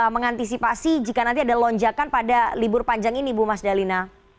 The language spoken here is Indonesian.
mengantisipasi jika nanti ada lonjakan pada libur panjang ini bu mas dalina